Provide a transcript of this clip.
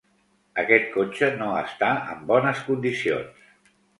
Aquest cotxe no està en bones condicions.